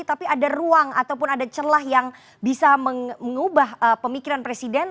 tapi ada ruang ataupun ada celah yang bisa mengubah pemikiran presiden